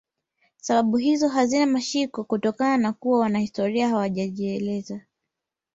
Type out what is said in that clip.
Sababu hizo hazina mashiko kutokana na kuwa wanahistoria hawajaeleza